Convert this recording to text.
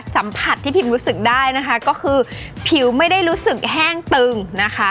สัมผัสที่พิมรู้สึกได้นะคะก็คือผิวไม่ได้รู้สึกแห้งตึงนะคะ